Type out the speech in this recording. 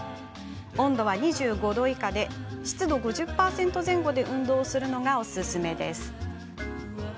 温度は２５度以下で湿度５０％前後で運動をするのがおすすめです。